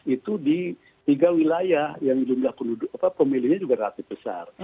itu di tiga wilayah yang jumlah pemilihnya juga relatif besar